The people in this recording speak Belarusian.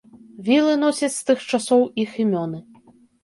Вілы носяць з тых часоў іх імёны.